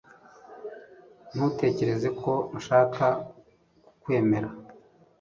Ntutekereza ko nshaka kukwemera